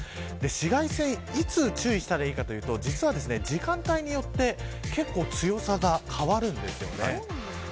紫外線いつ注意したらいいかというと、実は時間帯によって結構強さが変わるんですよね。